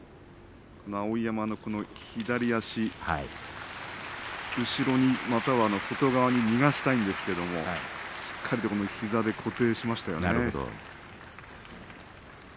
碧山の左足後ろに、または外側に逃がしたいんですけれどもしっかりと膝で固定しましたよね。